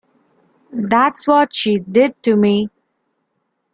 That's what she did to me.